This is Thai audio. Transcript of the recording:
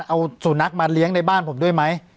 เอาสุนัขมาเลี้ยงในบ้านผมด้วยไหม